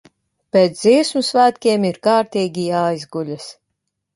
Pēc Dziesmu svētkiem ir kārtīgi jāizguļas!